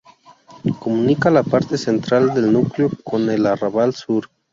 Comunica la parte central del núcleo con el arrabal sur.